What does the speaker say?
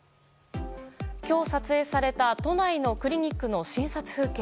今日、撮影された都内のクリニックの診察風景。